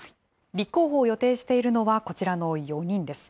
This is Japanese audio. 立候補を予定しているのはこちらの４人です。